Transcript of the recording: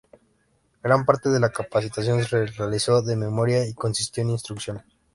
Gran parte de la capacitación se realizó de memoria y consistió en instrucción.